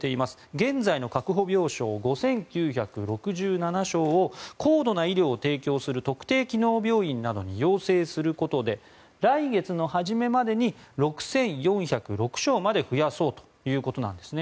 現在の確保病床、５９６７床を高度な医療を提供する特定機能病院などに要請することで来月の初めまでに６４０６床まで増やそうということなんですね。